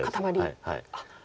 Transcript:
はい。